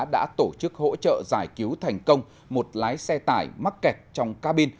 đã tổ chức hỗ trợ giải cứu thành công một lái xe tải mắc kẹt trong cabin